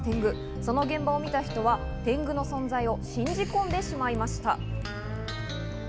その現場を見た人は天狗の存在を信じ込んでしまいました。